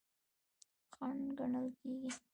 خنډ ګڼل کیږي.